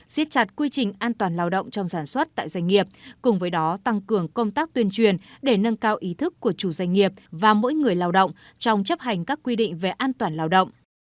xiết chặt quy trình an toàn lao động trong sản xuất tại doanh nghiệp cùng với đó tăng cường công tác tuyên truyền để nâng cao ý thức của chủ doanh nghiệp và mỗi người lao động trong chấp hành các quy định về an toàn lao động